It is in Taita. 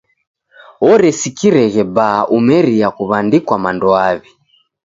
Oresikireghe baa umeria kuw'andikwa mando aw'i.